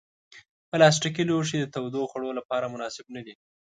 پلاستيکي لوښي د تودو خوړو لپاره مناسب نه دي.